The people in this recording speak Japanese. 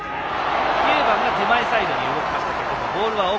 ９番が手前サイドに動きましたがボールは奥。